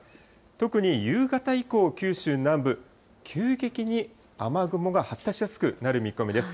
特に夕方以降、九州南部、急激に雨雲が発達しやすくなる見込みです。